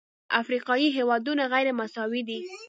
افریقایي هېوادونه غیرمساوي دي.